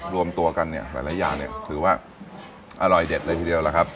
รวมตัวกันเนี่ยหลายอย่างเนี่ยถือว่าอร่อยเด็ดเลยทีเดียวล่ะครับ